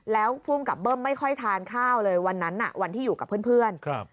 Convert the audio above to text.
แล้วภูมิกับเบิ้มไม่ค่อยทานข้าวเลยวันนั้นวันที่อยู่กับเพื่อน